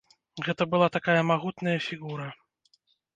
Гэта была такая магутная фігура.